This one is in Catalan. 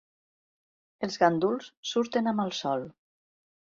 Els ganduls surten amb el sol.